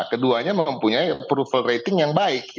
keduanya mempunyai approval rating yang baik